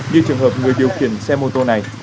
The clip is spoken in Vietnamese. như trường hợp người điều khiển xe mô tô này